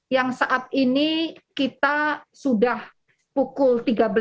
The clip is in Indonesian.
yang saat ini kita sudah pukul tiga belas